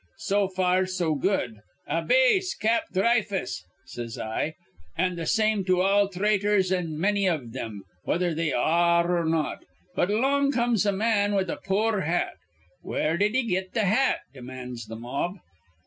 So far, so good. 'A base Cap Dhry fuss!' says I; 'an' the same to all thraitors, an' manny iv thim, whether they ar re or not.' But along comes a man with a poor hat. 'Where did he get th' hat?' demands th' mob.